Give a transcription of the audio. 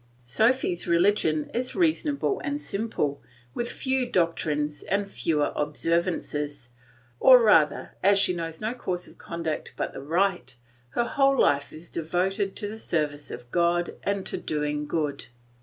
Sophy's religion is reasonable and simple, with few doctrines and fewer observances; or rather as she knows no course of conduct but the right her whole life is devoted to the service of God and to doing good.